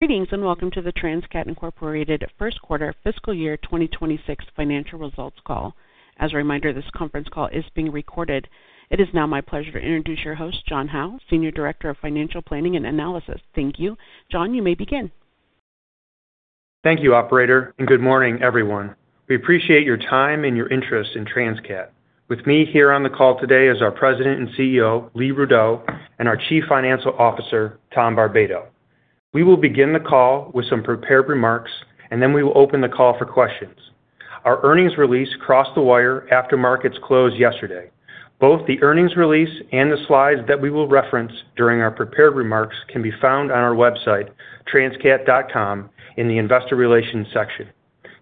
Greetings and welcome to the Transcat Inc. First Quarter Fiscal Year 2026 Financial Results Call. As a reminder, this conference call is being recorded. It is now my pleasure to introduce your host, John Howe, Senior Director of Financial Planning and Analysis. Thank you. John, you may begin. Thank you, Operator, and good morning, everyone. We appreciate your time and your interest in Transcat Inc. With me here on the call today are our President and CEO, Lee Rudow, and our Chief Financial Officer, Tom Barbato. We will begin the call with some prepared remarks, and then we will open the call for questions. Our earnings release crossed the wire after markets closed yesterday. Both the earnings release and the slides that we will reference during our prepared remarks can be found on our website, transcat.com, in the Investor Relations section.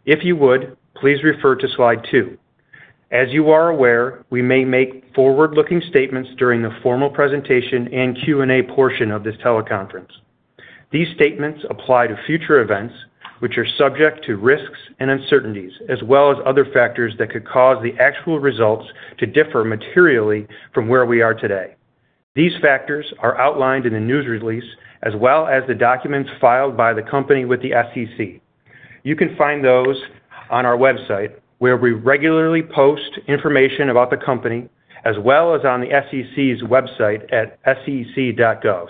If you would, please refer to slide 2. As you are aware, we may make forward-looking statements during the formal presentation and Q&A portion of this teleconference. These statements apply to future events, which are subject to risks and uncertainties, as well as other factors that could cause the actual results to differ materially from where we are today. These factors are outlined in the news release, as well as the documents filed by the company with the SEC. You can find those on our website, where we regularly post information about the company, as well as on the SEC's website at sec.gov.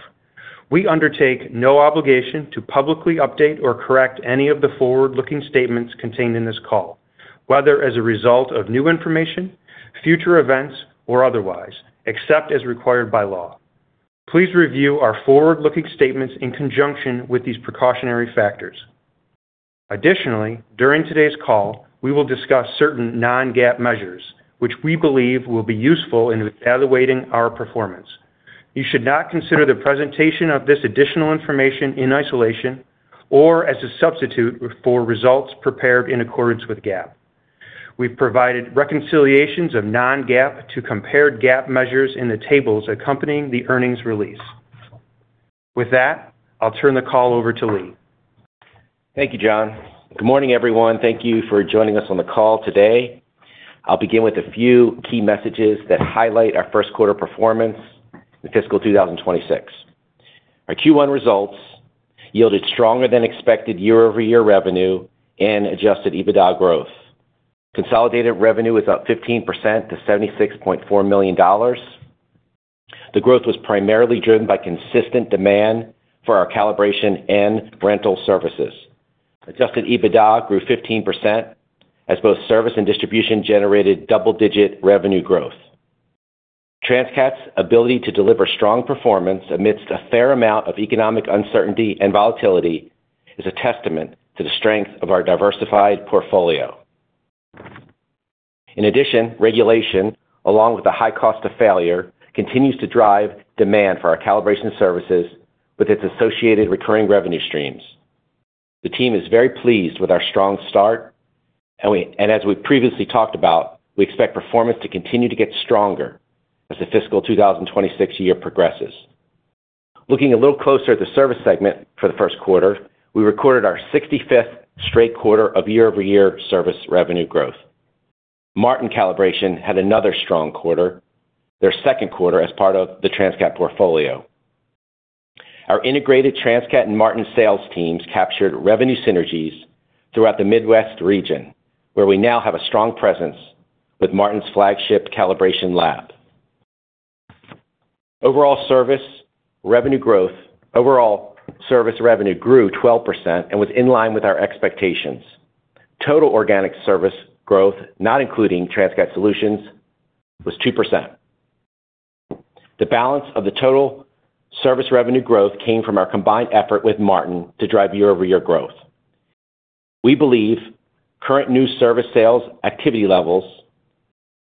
We undertake no obligation to publicly update or correct any of the forward-looking statements contained in this call, whether as a result of new information, future events, or otherwise, except as required by law. Please review our forward-looking statements in conjunction with these precautionary factors. Additionally, during today's call, we will discuss certain non-GAAP measures, which we believe will be useful in evaluating our performance. You should not consider the presentation of this additional information in isolation or as a substitute for results prepared in accordance with GAAP. We've provided reconciliations of non-GAAP to compared GAAP measures in the tables accompanying the earnings release. With that, I'll turn the call over to Lee. Thank you, John. Good morning, everyone. Thank you for joining us on the call today. I'll begin with a few key messages that highlight our first quarter performance in fiscal 2026. Our Q1 results yielded stronger than expected year-over-year revenue and adjusted EBITDA growth. Consolidated revenue was up 15% to $76.4 million. The growth was primarily driven by consistent demand for our calibration and rental services. Adjusted EBITDA grew 15%, as both service and distribution generated double-digit revenue growth. Transcat's ability to deliver strong performance amidst a fair amount of economic uncertainty and volatility is a testament to the strength of our diversified portfolio. In addition, regulation, along with the high cost of failure, continues to drive demand for our calibration services with its associated recurring revenue streams. The team is very pleased with our strong start, and as we previously talked about, we expect performance to continue to get stronger as the fiscal 2026 year progresses. Looking a little closer at the service segment for the first quarter, we recorded our 65th straight quarter of year-over-year service revenue growth. Martin Calibration had another strong quarter, their second quarter as part of the Transcat portfolio. Our integrated Transcat and Martin sales teams captured revenue synergies throughout the Midwest region, where we now have a strong presence with Martin's flagship calibration lab. Overall service revenue growth grew 12% and was in line with our expectations. Total organic service growth, not including Transcat Solutions, was 2%. The balance of the total service revenue growth came from our combined effort with Martin to drive year-over-year growth. We believe current new service sales activity levels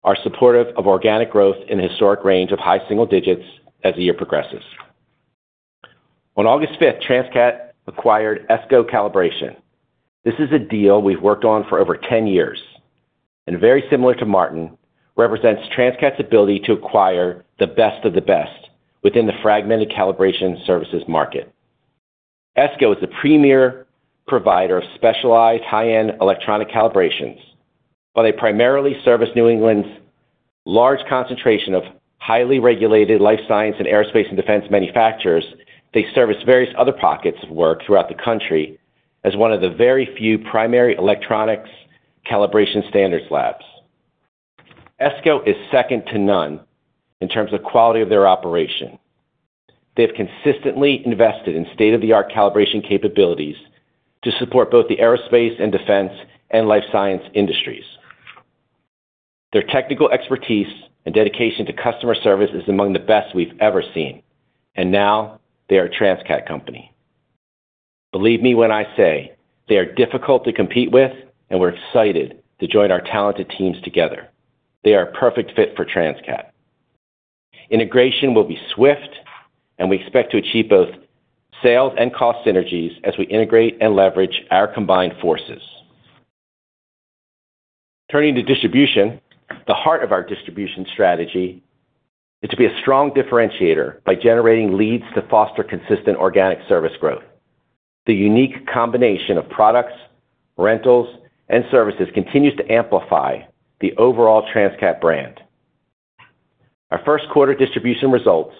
are supportive of organic growth in a historic range of high single digits as the year progresses. On August 5th, Transcat acquired Essco Calibration. This is a deal we've worked on for over 10 years, and very similar to Martin, represents Transcat's ability to acquire the best of the best within the fragmented calibration services market. Essco is the premier provider of specialized high-end electronic calibrations, but they primarily service New England's large concentration of highly regulated life science and aerospace and defense manufacturers. They service various other pockets of work throughout the country as one of the very few primary electronics calibration standards labs. Essco Calibration is second to none in terms of the quality of their operation. They have consistently invested in state-of-the-art calibration capabilities to support both the aerospace and defense and life sciences industries. Their technical expertise and dedication to customer service is among the best we've ever seen, and now they are a Transcat Inc. company. Believe me when I say they are difficult to compete with, and we're excited to join our talented teams together. They are a perfect fit for Transcat Inc. Integration will be swift, and we expect to achieve both sales and cost synergies as we integrate and leverage our combined forces. Turning to distribution, the heart of our distribution strategy is to be a strong differentiator by generating leads to foster consistent organic service growth. The unique combination of products, rental services, and calibration services continues to amplify the overall Transcat Inc. brand. Our first quarter distribution results,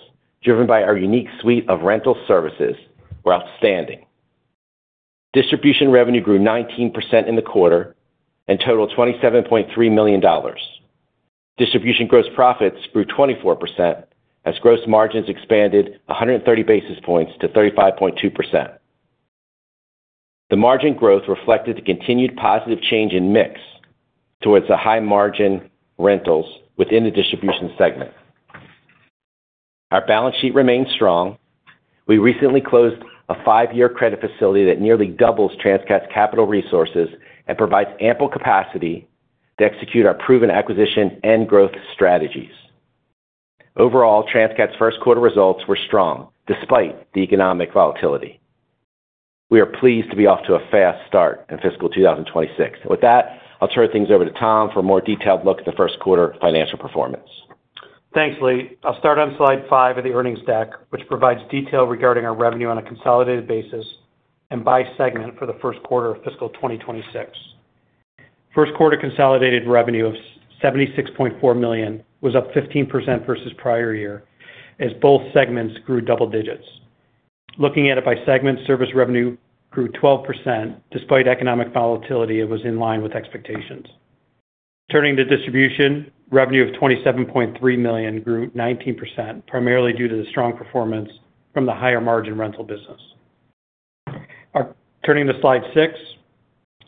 driven by our unique suite of rental services, were outstanding. Distribution revenue grew 19% in the quarter and totaled $27.3 million. Distribution gross profits grew 24% as gross margins expanded 130 basis points to 35.2%. The margin growth reflected the continued positive change in mix towards the high margin rentals within the distribution segment. Our balance sheet remains strong. We recently closed a five-year credit facility that nearly doubles Transcat Inc.'s capital resources and provides ample capacity to execute our proven acquisition and growth strategies. Overall, Transcat Inc.'s first quarter results were strong despite the economic volatility. We are pleased to be off to a fast start in fiscal 2026. With that, I'll turn things over to Tom Barbato for a more detailed look at the first quarter financial performance. Thanks, Lee. I'll start on slide 5 of the earnings deck, which provides detail regarding our revenue on a consolidated basis and by segment for the first quarter of fiscal 2026. First quarter consolidated revenue of $76.4 million was up 15% versus prior year, as both segments grew double digits. Looking at it by segment, service revenue grew 12% despite economic volatility; it was in line with expectations. Turning to distribution, revenue of $27.3 million grew 19%, primarily due to the strong performance from the higher margin rental business. Turning to slide 6,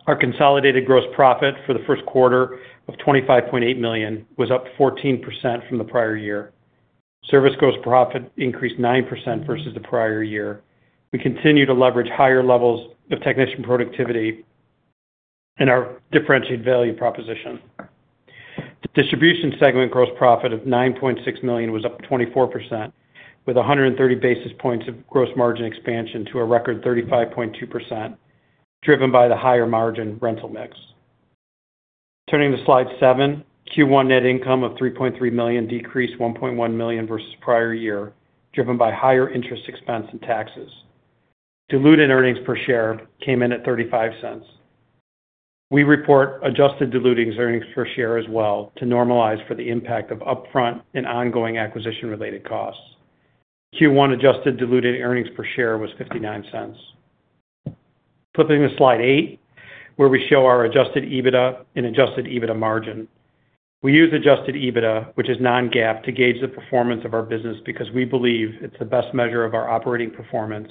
our consolidated gross profit for the first quarter of $25.8 million was up 14% from the prior year. Service gross profit increased 9% versus the prior year. We continue to leverage higher levels of technician productivity in our differentiated value proposition. The distribution segment gross profit of $9.6 million was up 24%, with 130 basis points of gross margin expansion to a record 35.2%, driven by the higher margin rental mix. Turning to slide 7, Q1 net income of $3.3 million decreased $1.1 million versus prior year, driven by higher interest expense and taxes. Diluted earnings per share came in at $0.35. We report adjusted diluted earnings per share as well to normalize for the impact of upfront and ongoing acquisition-related costs. Q1 adjusted diluted earnings per share was $0.59. Flipping to slide 8, where we show our adjusted EBITDA and adjusted EBITDA margin. We use adjusted EBITDA, which is non-GAAP, to gauge the performance of our business because we believe it's the best measure of our operating performance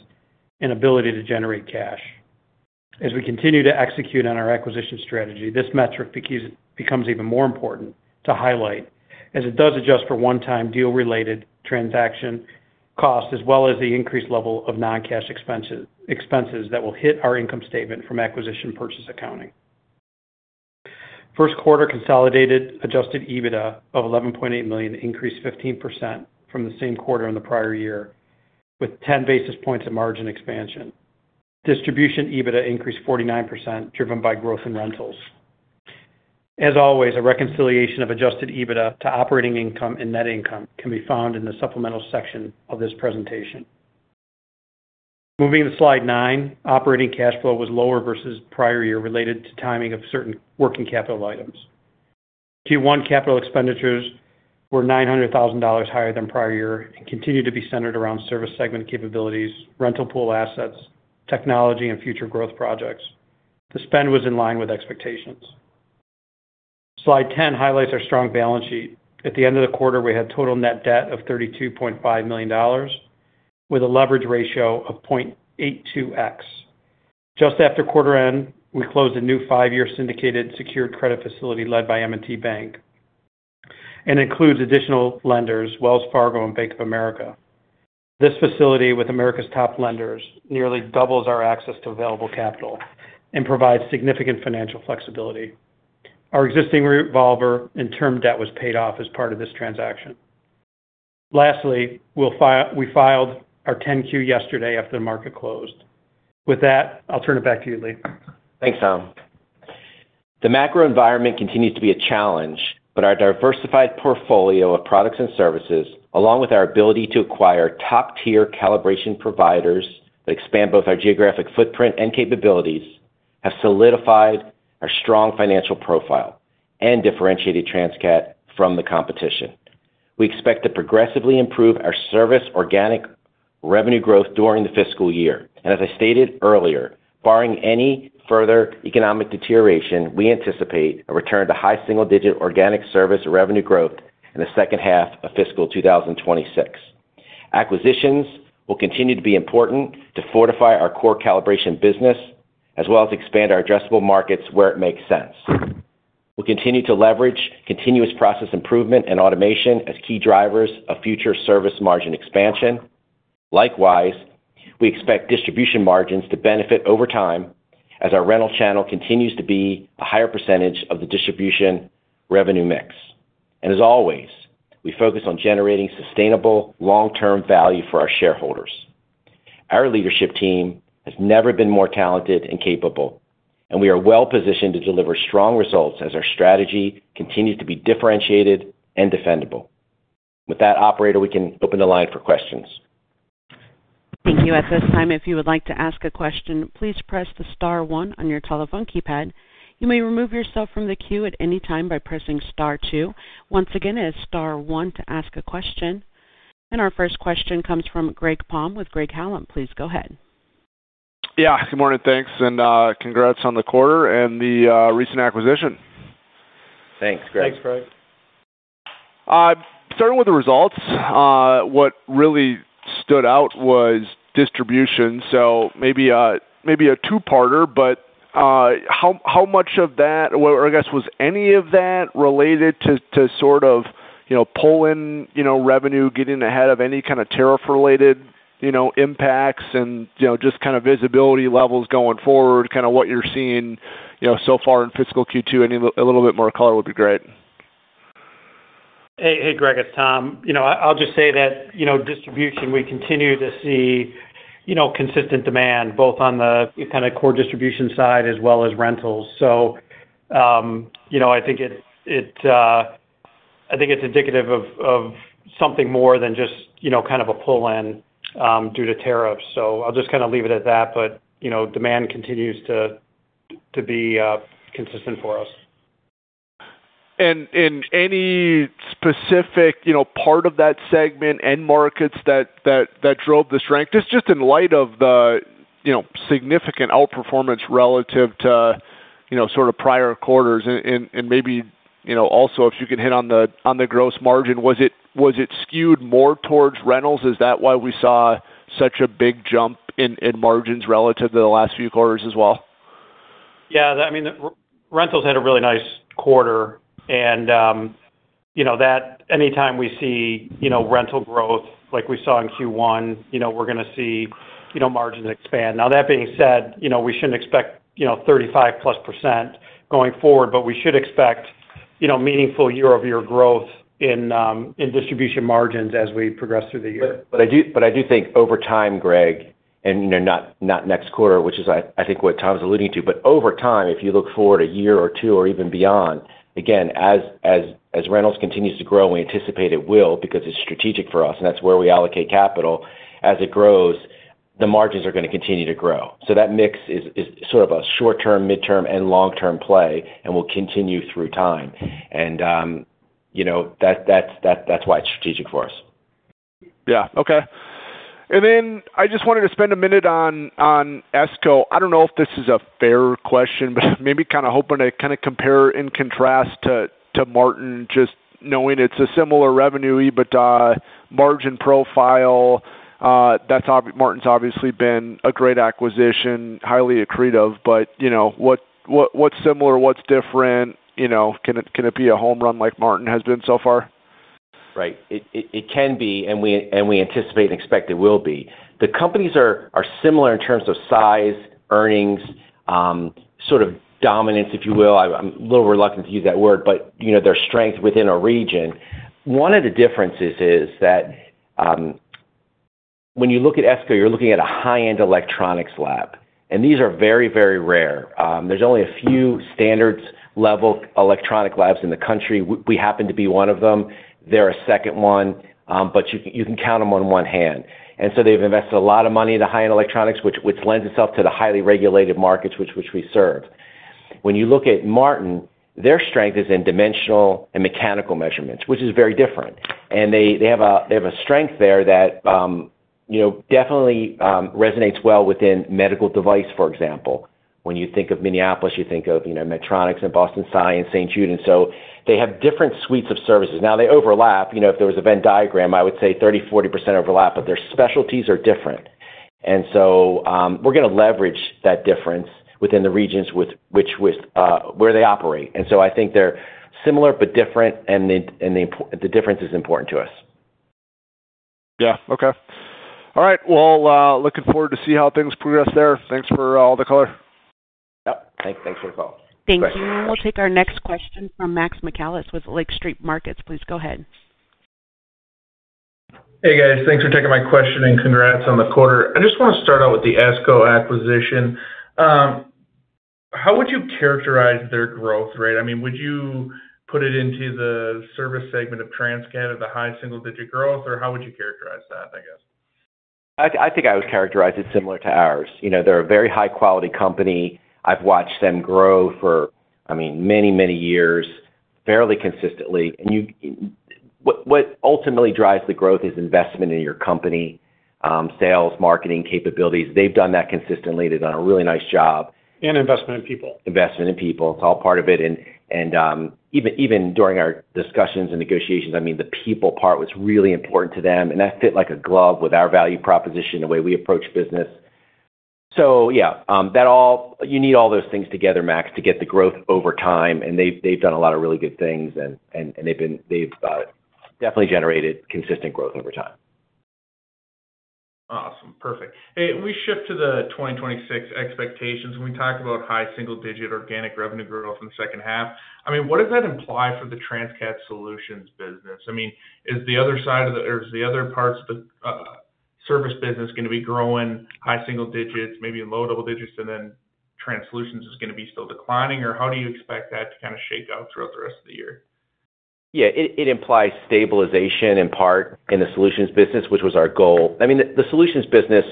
and ability to generate cash. As we continue to execute on our acquisition strategy, this metric becomes even more important to highlight, as it does adjust for one-time deal-related transaction costs, as well as the increased level of non-cash expenses that will hit our income statement from acquisition purchase accounting. First quarter consolidated adjusted EBITDA of $11.8 million increased 15% from the same quarter in the prior year, with 10 basis points of margin expansion. Distribution EBITDA increased 49%, driven by growth in rentals. As always, a reconciliation of adjusted EBITDA to operating income and net income can be found in the supplemental section of this presentation. Moving to slide 9, operating cash flow was lower versus prior year related to timing of certain working capital items. Q1 capital expenditures were $900,000 higher than prior year and continue to be centered around service segment capabilities, rental pool assets, technology, and future growth projects. The spend was in line with expectations. Slide 10 highlights our strong balance sheet. At the end of the quarter, we had total net debt of $32.5 million, with a leverage ratio of 0.82X. Just after quarter end, we closed a new five-year syndicated secured credit facility led by M&T Bank and includes additional lenders, Wells Fargo and Bank of America. This facility, with America's top lenders, nearly doubles our access to available capital and provides significant financial flexibility. Our existing revolver and term debt was paid off as part of this transaction. Lastly, we filed our 10-Q yesterday after the market closed. With that, I'll turn it back to you, Lee. Thanks, Tom. The macro environment continues to be a challenge, but our diversified portfolio of products and services, along with our ability to acquire top-tier calibration providers that expand both our geographic footprint and capabilities, have solidified our strong financial profile and differentiated Transcat Inc. from the competition. We expect to progressively improve our service organic revenue growth during the fiscal year. As I stated earlier, barring any further economic deterioration, we anticipate a return to high single-digit organic service revenue growth in the second half of fiscal 2026. Acquisitions will continue to be important to fortify our core calibration business, as well as expand our addressable markets where it makes sense. We'll continue to leverage continuous process improvement and automation as key drivers of future service margin expansion. Likewise, we expect distribution margins to benefit over time as our rental channel continues to be a higher percentage of the distribution revenue mix. As always, we focus on generating sustainable long-term value for our shareholders. Our leadership team has never been more talented and capable, and we are well positioned to deliver strong results as our strategy continues to be differentiated and defendable. With that, Operator, we can open the line for questions. Thank you. At this time, if you would like to ask a question, please press the star one on your telephone keypad. You may remove yourself from the queue at any time by pressing star two. Once again, it is star one to ask a question. Our first question comes from Greg Palm with Bank of America. Please go ahead. Good morning. Thanks, and congrats on the quarter and the recent acquisition. Thanks, Greg. Thanks, Greg. Starting with the results, what really stood out was distribution. Maybe a two-parter, but how much of that, or was any of that related to pull in revenue, getting ahead of any kind of tariff-related impacts, and just kind of visibility levels going forward, what you're seeing so far in fiscal Q2? A little bit more color would be great. Hey Greg, it's Tom. I'll just say that distribution, we continue to see consistent demand both on the core distribution side as well as rentals. I think it's indicative of something more than just a pull in due to tariffs. I'll just leave it at that. Demand continues to be consistent for us. In any specific part of that segment and markets that drove the strength, just in light of the significant outperformance relative to prior quarters, maybe also if you can hit on the gross margin, was it skewed more towards rental services? Is that why we saw such a big jump in margins relative to the last few quarters as well? Yeah, rentals had a really nice quarter. Anytime we see rental growth like we saw in Q1, we're going to see margins expand. That being said, we shouldn't expect 35+% going forward, but we should expect meaningful year-over-year growth in distribution margins as we progress through the year. I do think over time, Greg, and you know, not next quarter, which is I think what Tom's alluding to, but over time, if you look forward a year or two or even beyond, again, as rentals continue to grow, and we anticipate it will because it's strategic for us, and that's where we allocate capital. As it grows, the margins are going to continue to grow. That mix is sort of a short-term, mid-term, and long-term play and will continue through time. You know, that's why it's strategic for us. Okay. I just wanted to spend a minute on Essco Calibration. I don't know if this is a fair question, but maybe kind of hoping to compare and contrast to Martin Calibration, just knowing it's a similar revenue EBITDA margin profile. Martin's obviously been a great acquisition, highly accretive, but you know, what's similar, what's different? You know, can it be a home run like Martin has been so far? Right, it can be, and we anticipate and expect it will be. The companies are similar in terms of size, earnings, sort of dominance, if you will. I'm a little reluctant to use that word, but you know, their strength within a region. One of the differences is that when you look at Essco Calibration, you're looking at a high-end electronics lab. These are very, very rare. There's only a few standards-level electronic labs in the country. We happen to be one of them. They're a second one, but you can count them on one hand. They've invested a lot of money into high-end electronics, which lends itself to the highly regulated markets which we serve. When you look at Martin Calibration, their strength is in dimensional and mechanical measurements, which is very different. They have a strength there that definitely resonates well within medical device, for example. When you think of Minneapolis, you think of Medtronic and Boston Scientific, St. Jude. They have different suites of services. Now they overlap. If there was a Venn diagram, I would say 30%-40% overlap, but their specialties are different. We're going to leverage that difference within the regions where they operate. I think they're similar, but different, and the difference is important to us. Okay, all right, looking forward to seeing how things progress there. Thanks for all the color. Yep, thanks for the call. Thank you. We'll take our next question from Maxwell Scott Michaelis with Lake Street Markets. Please go ahead. Hey guys, thanks for taking my question and congrats on the quarter. I just want to start out with the Essco Calibration acquisition. How would you characterize their growth rate? I mean, would you put it into the service segment of Transcat Inc. at the high single-digit growth, or how would you characterize that, I guess? I think I would characterize it similar to ours. They're a very high-quality company. I've watched them grow for many, many years, fairly consistently. What ultimately drives the growth is investment in your company, sales, marketing capabilities. They've done that consistently. They've done a really nice job. Investment in people. Investment in people. It is all part of it. Even during our discussions and negotiations, the people part was really important to them. That fit like a glove with our value proposition, the way we approach business. You need all those things together, Max, to get the growth over time. They have done a lot of really good things, and they have definitely generated consistent growth over time. Awesome. Perfect. Hey, can we shift to the 2026 expectations? When we talked about high single-digit organic revenue growth in the second half, what does that imply for the Transcat Solutions business? Is the other side of the, or are the other parts of the service business going to be growing high single digits, maybe low double digits, and then Transcat Solutions is going to be still declining? How do you expect that to kind of shake out throughout the rest of the year? Yeah, it implies stabilization in part in the solutions business, which was our goal. I mean, the solutions business,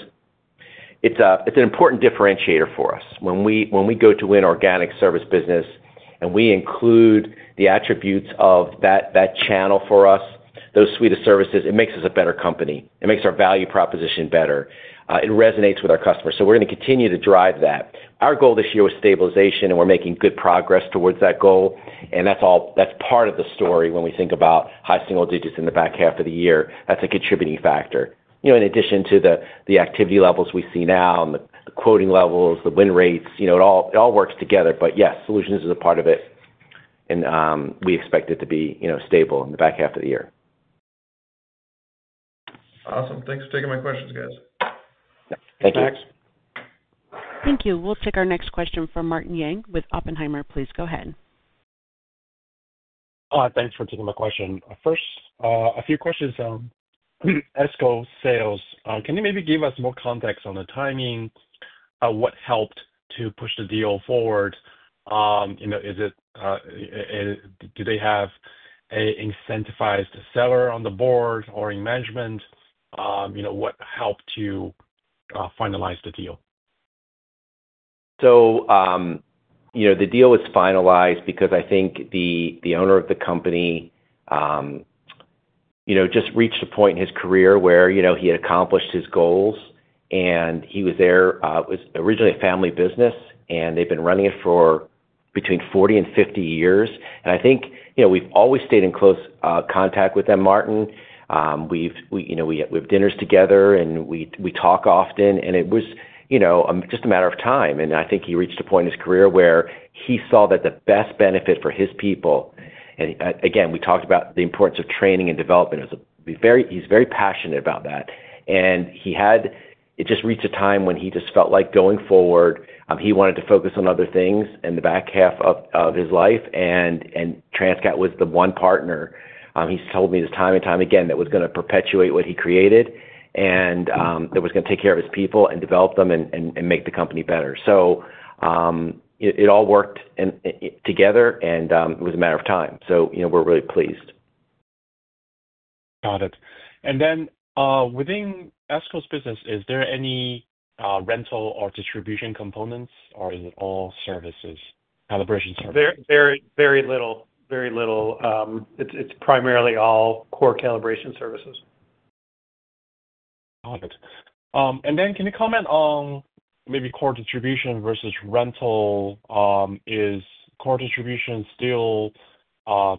it's an important differentiator for us. When we go to an organic service business and we include the attributes of that channel for us, those suite of services, it makes us a better company. It makes our value proposition better. It resonates with our customers. We are going to continue to drive that. Our goal this year was stabilization, and we're making good progress towards that goal. That's all part of the story when we think about high single digits in the back half of the year. That's a contributing factor. In addition to the activity levels we see now and the quoting levels, the win rates, it all works together. Yes, solutions is a part of it. We expect it to be stable in the back half of the year. Awesome. Thanks for taking my questions, guys. Thank you. Thank you. We'll take our next question from Martin Yang with Oppenheimer. Please go ahead. Thanks for taking my question. First, a few questions on Essco sales. Can you maybe give us more context on the timing? What helped to push the deal forward? Do they have an incentivized seller on the board or in management? What helped to finalize the deal? The deal was finalized because I think the owner of the company just reached a point in his career where he had accomplished his goals. He was there, it was originally a family business, and they've been running it for between 40 and 50 years. I think we've always stayed in close contact with them, Martin. We have dinners together and we talk often. It was just a matter of time. I think he reached a point in his career where he saw that the best benefit for his people, and again, we talked about the importance of training and development. He's very passionate about that. It just reached a time when he felt like going forward, he wanted to focus on other things in the back half of his life. Transcat was the one partner, he's told me this time and time again, that was going to perpetuate what he created and that was going to take care of his people and develop them and make the company better. It all worked together and it was a matter of time. We're really pleased. Got it. Within Essco Calibration's business, is there any rental or distribution components, or is it all services, calibration services? Very little. It's primarily all core calibration services. Got it. Can you comment on maybe core distribution versus rental? Is core distribution still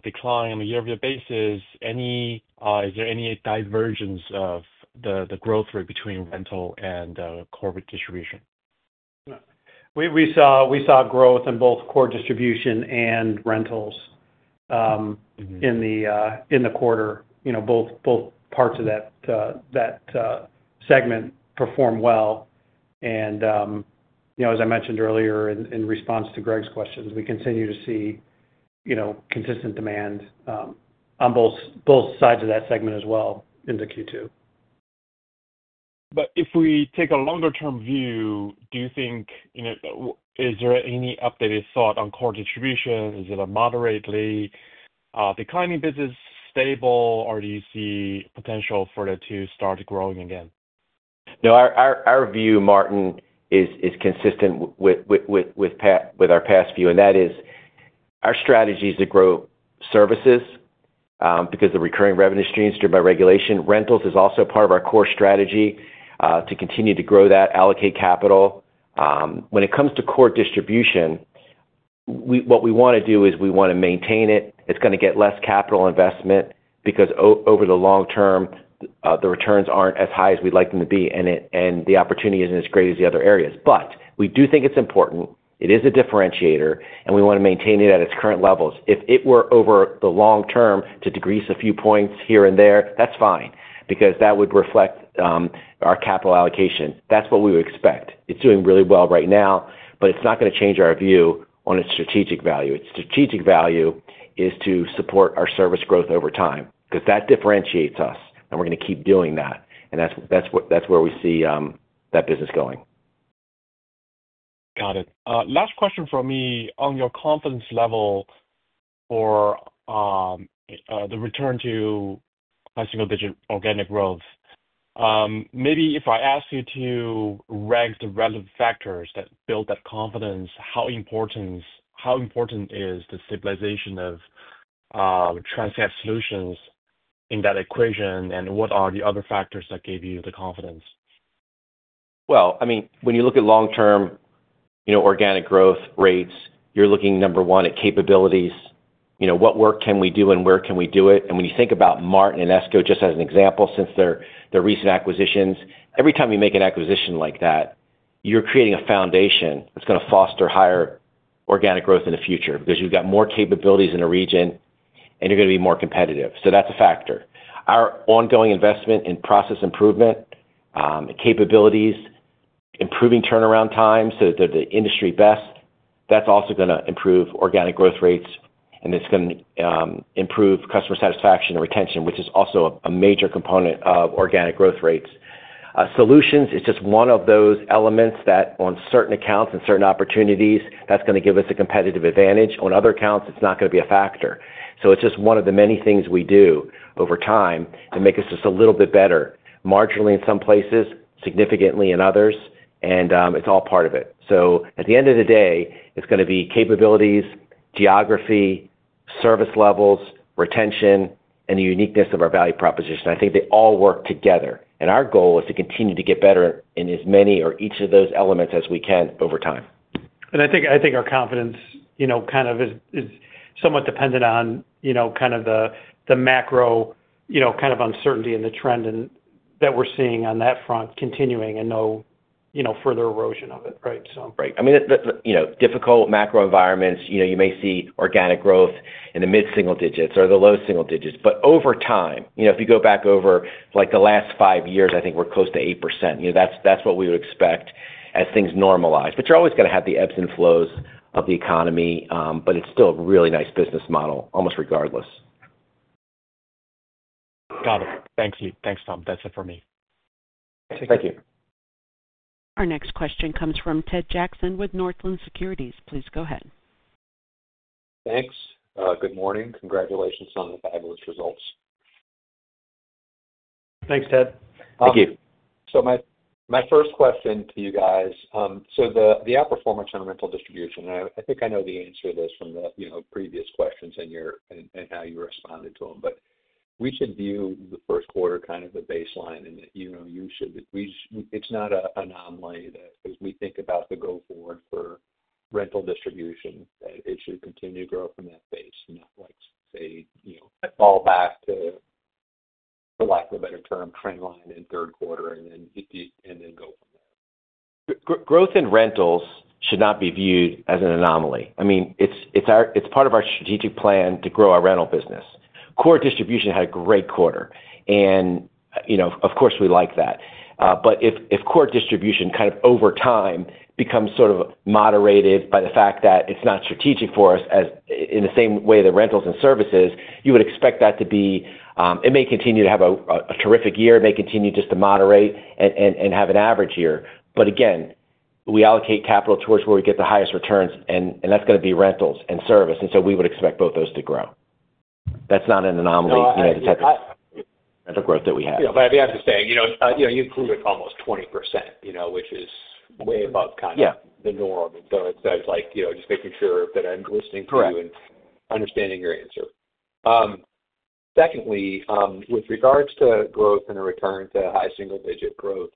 declining on a year-over-year basis? Is there any divergence of the growth rate between rental and core distribution? We saw growth in both core distribution and rentals in the quarter. Both parts of that segment perform well. As I mentioned earlier in response to Greg's questions, we continue to see consistent demand on both sides of that segment as well into Q2. If we take a longer-term view, do you think, you know, is there any updated thought on core distribution? Is it a moderately declining business, stable, or do you see potential for it to start growing again? No, our view, Martin, is consistent with our past view, and that is our strategy is to grow services because of the recurring revenue streams driven by regulation. Rentals is also part of our core strategy to continue to grow that, allocate capital. When it comes to core distribution, what we want to do is we want to maintain it. It's going to get less capital investment because over the long term, the returns aren't as high as we'd like them to be, and the opportunity isn't as great as the other areas. We do think it's important. It is a differentiator, and we want to maintain it at its current levels. If it were over the long term to decrease a few points here and there, that's fine because that would reflect our capital allocation. That's what we would expect. It's doing really well right now, but it's not going to change our view on its strategic value. Its strategic value is to support our service growth over time because that differentiates us, and we're going to keep doing that. That's where we see that business going. Got it. Last question from me on your confidence level for the return to high single-digit organic growth. Maybe if I ask you to rank the relevant factors that build that confidence, how important is the stabilization of Transcat Inc. Solutions in that equation, and what are the other factors that give you the confidence? When you look at long-term, you know, organic growth rates, you're looking number one at capabilities. You know, what work can we do and where can we do it? When you think about Martin Calibration and Essco Calibration, just as an example, since their recent acquisitions, every time you make an acquisition like that, you're creating a foundation that's going to foster higher organic growth in the future because you've got more capabilities in a region, and you're going to be more competitive. That's a factor. Our ongoing investment in process improvement and capabilities, improving turnaround times so that they're the industry best, that's also going to improve organic growth rates, and it's going to improve customer satisfaction and retention, which is also a major component of organic growth rates. Solutions is just one of those elements that on certain accounts and certain opportunities, that's going to give us a competitive advantage. On other accounts, it's not going to be a factor. It's just one of the many things we do over time to make us just a little bit better, marginally in some places, significantly in others, and it's all part of it. At the end of the day, it's going to be capabilities, geography, service levels, retention, and the uniqueness of our value proposition. I think they all work together. Our goal is to continue to get better in as many or each of those elements as we can over time. I think our confidence is somewhat dependent on the macro uncertainty in the trend that we're seeing on that front continuing and no further erosion of it, right? Right. In difficult macro environments, you may see organic growth in the mid-single digits or the low single digits, but over time, if you go back over the last five years, I think we're close to 8%. That's what we would expect as things normalize. You're always going to have the ebbs and flows of the economy, but it's still a really nice business model almost regardless. Got it. Thanks, Lee. Thanks, Tom. That's it for me. Thank you. Our next question comes from Edward Randolph Jackson with Northland Securities. Please go ahead. Thanks. Good morning. Congratulations on the fabulous results. Thanks, Ted. Thank you. My first question to you guys, the outperformance on rental distribution, I think I know the answer to this from the previous questions and how you responded to them. We should view the first quarter kind of as a baseline. You know, it's not an anomaly that as we think about the go-forward for rental distribution, it should continue to grow from that base, like, say, fall back to, for lack of a better term, trendline in third quarter and then go. Growth in rentals should not be viewed as an anomaly. I mean, it's part of our strategic plan to grow our rental business. Core distribution had a great quarter, and, you know, of course, we like that. If core distribution kind of over time becomes sort of moderated by the fact that it's not strategic for us, as in the same way that rentals and services, you would expect that to be, it may continue to have a terrific year, it may continue just to moderate and have an average year. Again, we allocate capital towards where we get the highest returns, and that's going to be rentals and service. We would expect both those to grow. That's not an anomaly, you know, the type of rental growth that we have. Yeah, I'd be able to say, you include almost 20%, which is way above the norm. It's just making sure that I'm listening to you and understanding your answer. Secondly, with regards to growth and a return to high single-digit growth,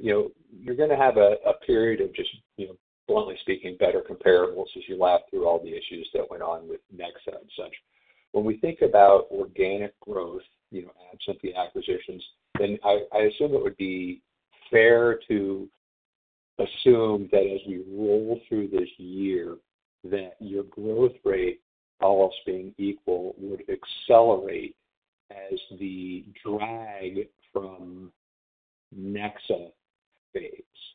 you're going to have a period of, bluntly speaking, better comparables as you lap through all the issues that went on with Nexa and such. When we think about organic growth, add-synthetic acquisitions, then I assume it would be fair to assume that as you roll through this year, your growth rate, all else being equal, would accelerate as the drag from Nexa fades. Is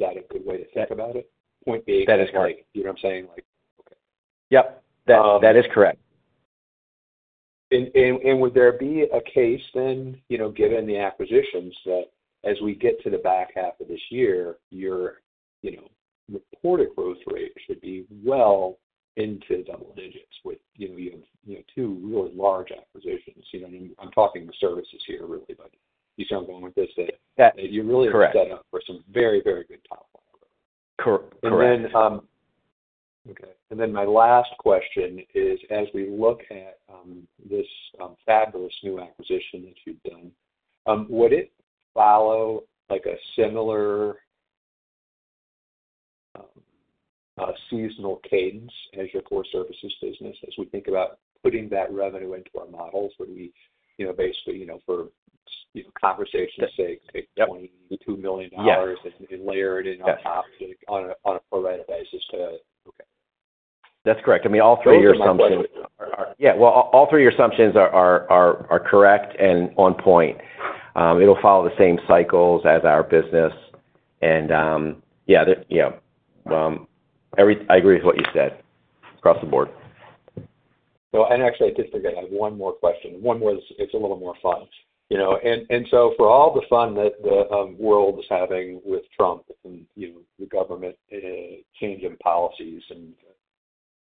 that a good way to think about it? Point being, you know what I'm saying? Like, okay. Yep, that is correct. Would there be a case then, given the acquisitions, that as we get to the back half of this year, your reported growth rate should be well into double digits with two really large acquisitions? I'm talking the services here, really, but you see where I'm going with this data. You really are setting up for some very, very good top line. Correct. Correct. My last question is, as we look at this fabulous new acquisition that you've done, would it follow a similar seasonal cadence as your core services business as we think about putting that revenue into our models, where we, for conversation's sake, say $22 million and layer it in on top on a per-head basis too. Okay. That's correct. I mean, all three of your assumptions are correct and on point. It'll follow the same cycles as our business. I agree with what you said across the board. Actually, I did forget, I had one more question. One was, it's a little more fun. You know, for all the fun that the world is having with Trump and the government changing policies and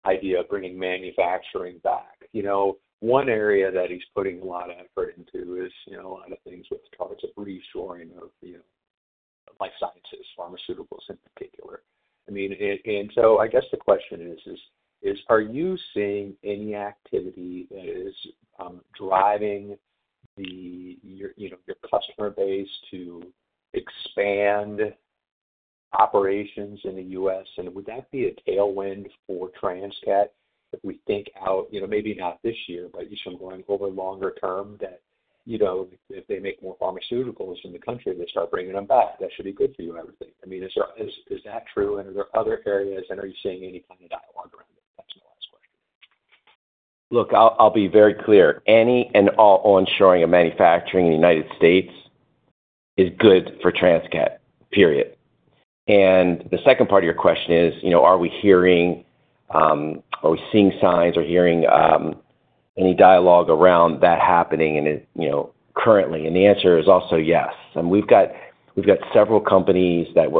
the idea of bringing manufacturing back, one area that he's putting a lot of effort into is a lot of things with regard to reshoring of life sciences, pharmaceuticals in particular. I guess the question is, are you seeing any activity that is driving your customer base to expand operations in the U.S.? Would that be a tailwind for Transcat if we think out, maybe not this year, but going over the longer term, that if they make more pharmaceuticals in the country, they start bringing them back? That should be good for you, I would think. Is that true? Are there other areas? Are you seeing any kind of dialogue around? Look, I'll be very clear. Any and all onshoring of manufacturing in the United States is good for Transcat, period. The second part of your question is, you know, are we hearing, are we seeing signs or hearing any dialogue around that happening? Currently, the answer is also yes. We've got several companies that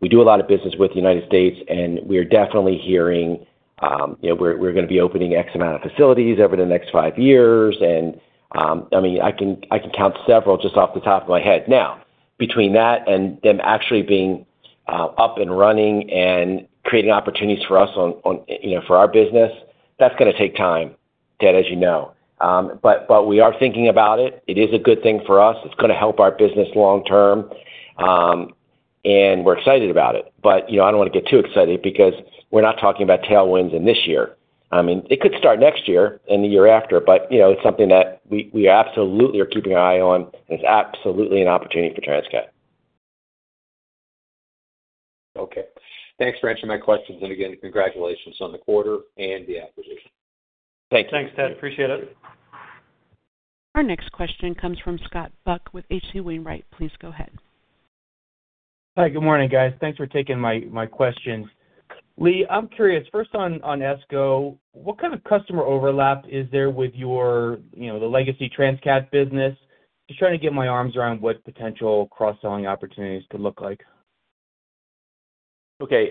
we do a lot of business with in the United States, and we are definitely hearing, you know, we're going to be opening X amount of facilities over the next five years. I mean, I can count several just off the top of my head. Now, between that and them actually being up and running and creating opportunities for us for our business, that's going to take time, Ted, as you know. We are thinking about it. It is a good thing for us. It's going to help our business long term. We're excited about it. I don't want to get too excited because we're not talking about tailwinds in this year. It could start next year and the year after, but it's something that we absolutely are keeping an eye on. It's absolutely an opportunity for Transcat. Okay. Thanks for answering my questions. Again, congratulations on the quarter and the acquisition. Thanks. Thanks, Ted. Appreciate it. Our next question comes from Scott Buck with H.C. Wainwright. Please go ahead. Hi, good morning, guys. Thanks for taking my questions. Lee, I'm curious, first on Essco Calibration, what kind of customer overlap is there with your, you know, the legacy Transcat Inc. business? Just trying to get my arms around what potential cross-selling opportunities could look like. Okay.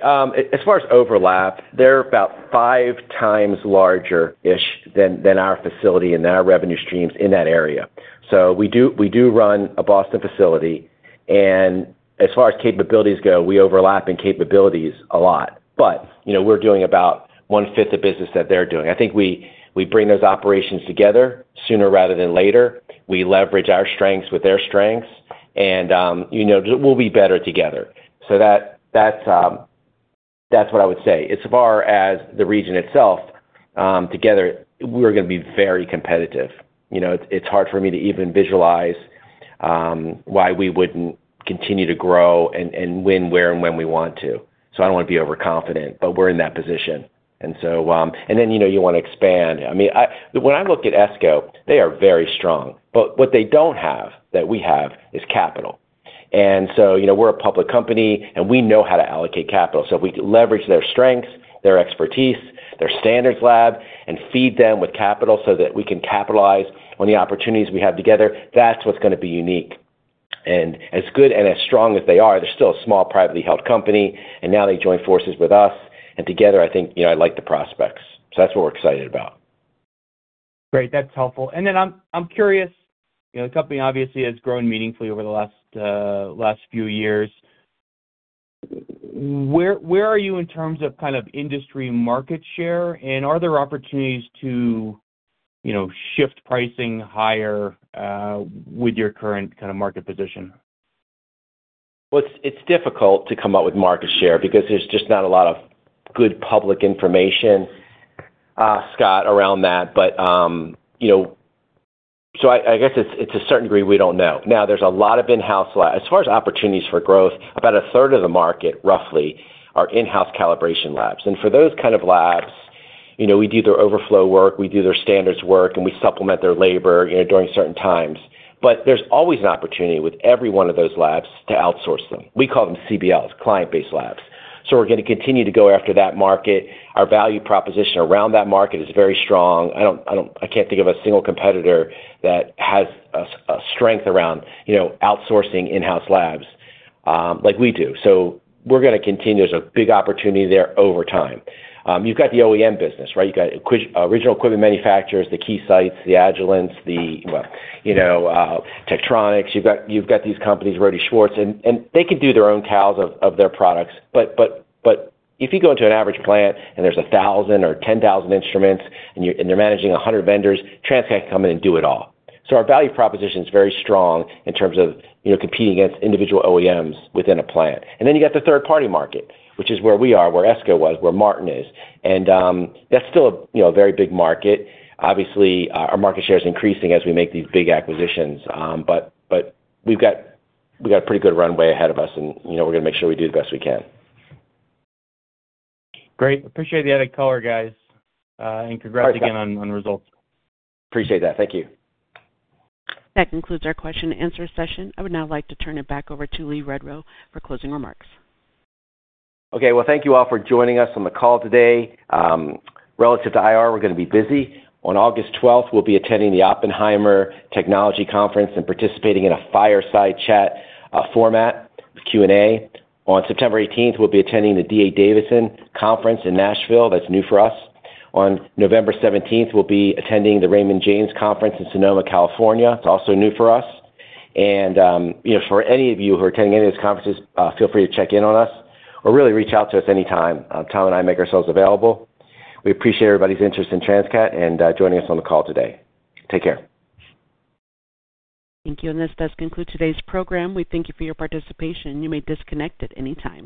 As far as overlap, they're about five times larger-ish than our facility and our revenue streams in that area. We do run a Boston facility, and as far as capabilities go, we overlap in capabilities a lot. We're doing about one-fifth of the business that they're doing. I think we bring those operations together sooner rather than later. We leverage our strengths with their strengths, and we'll be better together. That's what I would say. As far as the region itself, together, we're going to be very competitive. It's hard for me to even visualize why we wouldn't continue to grow and win where and when we want to. I don't want to be overconfident, but we're in that position. You want to expand. When I look at Essco Calibration, they are very strong. What they don't have that we have is capital. We're a public company, and we know how to allocate capital. If we leverage their strengths, their expertise, their standards lab, and feed them with capital so that we can capitalize on the opportunities we have together, that's what's going to be unique. As good and as strong as they are, they're still a small privately held company, and now they join forces with us. Together, I think I like the prospects. That's what we're excited about. Great. That's helpful. I'm curious, you know, the company obviously has grown meaningfully over the last few years. Where are you in terms of kind of industry market share? Are there opportunities to, you know, shift pricing higher with your current kind of market position? It's difficult to come up with market share because there's just not a lot of good public information, Scott, around that. I guess to a certain degree we don't know. There's a lot of in-house labs. As far as opportunities for growth, about a third of the market, roughly, are in-house calibration labs. For those kinds of labs, we do their overflow work, we do their standards work, and we supplement their labor during certain times. There's always an opportunity with every one of those labs to outsource them. We call them CBLs, client-based labs. We're going to continue to go after that market. Our value proposition around that market is very strong. I can't think of a single competitor that has a strength around outsourcing in-house labs like we do. We're going to continue. There's a big opportunity there over time. You've got the OEM business, right? You've got original equipment manufacturers, the Keysights, the Agilents, the, you know, Tektronix. You've got these companies, Rohde & Schwarz, and they can do their own cals of their products. If you go into an average plant and there's 1,000 or 10,000 instruments and they're managing 100 vendors, Transcat can come in and do it all. Our value proposition is very strong in terms of competing against individual OEMs within a plant. Then you have the third-party market, which is where we are, where Essco Calibration was, where Martin Calibration is. That's still a very big market. Obviously, our market share is increasing as we make these big acquisitions. We've got a pretty good runway ahead of us, and we're going to make sure we do the best we can. Great. Appreciate the added color, guys. Congrats again on the results. Appreciate that. Thank you. That concludes our question and answer session. I would now like to turn it back over to Lee Rudow for closing remarks. Thank you all for joining us on the call today. Relative to IR, we're going to be busy. On August 12th, we'll be attending the Oppenheimer Technology Conference and participating in a fireside chat format, Q&A. On September 18th, we'll be attending the DA Davidson Conference in Nashville. That's new for us. On November 17th, we'll be attending the Raymond James Conference in Sonoma, California. It's also new for us. For any of you who are attending any of these conferences, feel free to check in on us or really reach out to us anytime. Tom and I make ourselves available. We appreciate everybody's interest in Transcat and joining us on the call today. Take care. Thank you. This does conclude today's program. We thank you for your participation. You may disconnect at any time.